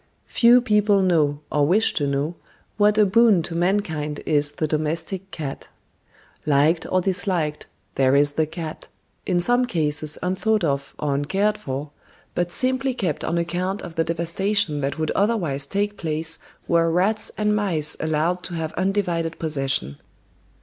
Few people know, or wish to know, what a boon to mankind is "The Domestic Cat." Liked or disliked, there is the cat, in some cases unthought of or uncared for, but simply kept on account of the devastation that would otherwise take place were rats and mice allowed to have undivided possession.